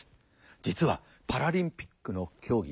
実はパラリンピックの競技